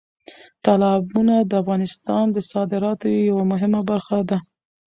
تالابونه د افغانستان د صادراتو یوه مهمه برخه ده.